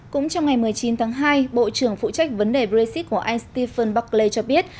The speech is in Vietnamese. cũng trong ngày một mươi chín tháng hai bộ trưởng phụ trách vấn đề brexit của istan buckley cho biết